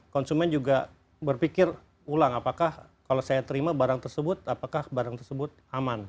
konsumen juga berpikir ulang apakah kalau saya terima barang tersebut apakah barang tersebut aman